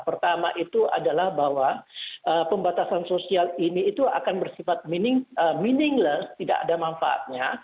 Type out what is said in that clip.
pertama itu adalah bahwa pembatasan sosial ini itu akan bersifat meaningless tidak ada manfaatnya